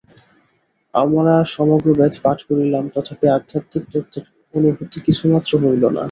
আমরা সমগ্র বেদ পাঠ করিলাম, তথাপি আধ্যাত্মিক তত্ত্বের অনুভূতি কিছুমাত্র হইল না।